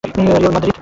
Real Madrid